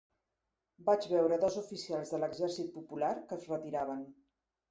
Vaig veure dos oficials de l'Exèrcit Popular que es retiraven